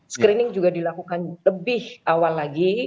screening juga dilakukan lebih awal lagi